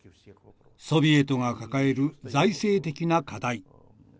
ソビエトが抱える財政的な課題。